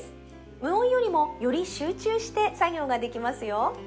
無音よりもより集中して作業ができますよ